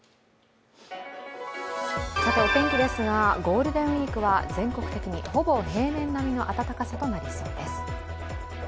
お天気ですが、ゴールデンウイークは全国的にほぼ平年並みの暖かさとなりそうです。